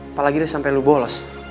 apalagi deh sampe lu bolos